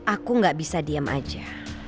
aku gak bisa diam aja